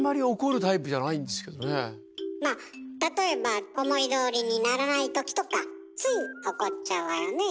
例えば思いどおりにならない時とかつい怒っちゃうわよね。